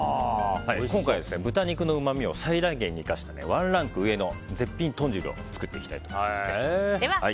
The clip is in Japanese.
今回は豚肉のうまみを最大限に生かしたワンランク上の絶品豚汁を作っていきたいと思います。